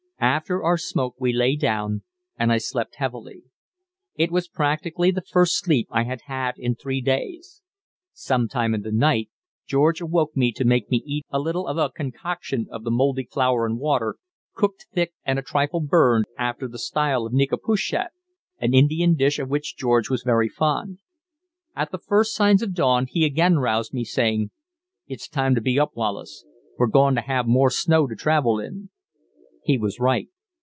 After our smoke we lay down, and I slept heavily; it was practically the first sleep I had had in three days. Some time in the night George awoke me to make me eat a little of a concoction of the mouldy flour and water, cooked thick and a trifle burned after the style of nekapooshet, an Indian dish of which George was very fond. At the first signs of dawn he again roused me, saying: "It's time to be up, Wallace. We're goin' to have more snow to travel in." He was right.